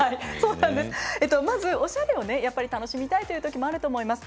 おしゃれを楽しみたいということもあるかと思います。